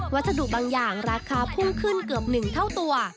ถูกบางอย่างราคาพุ่งขึ้นเกือบ๑เท่าตัว